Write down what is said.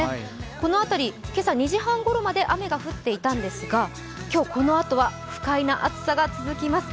この辺り、今朝２時半ごろまで雨が降っていたんですが今日このあとは不快な暑さが続きます。